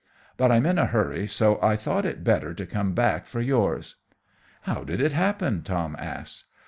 But I'm in a hurry, so I thought it better to come back for yours." "How did it happen?" Tom asked.